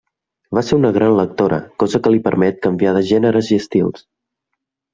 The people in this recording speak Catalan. Va ser una gran lectora, cosa que li permet canviar de gèneres i estils.